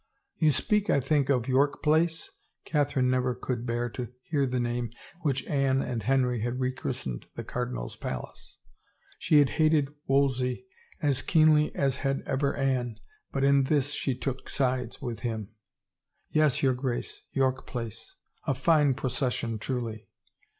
" You speak, I think, of York Place ?" Catherine could never bear to hear the name which Anne and Henry had rechristened the cardinal's palace. She had hated Wolsey as keenly as had ever Anne, but in this she took sides with him. " Yes, your Grace, York Place." "A fine procession, truly."